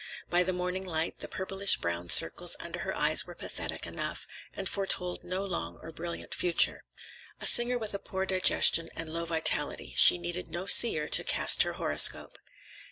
By the morning light, the purplish brown circles under her eyes were pathetic enough, and foretold no long or brilliant future. A singer with a poor digestion and low vitality; she needed no seer to cast her horoscope.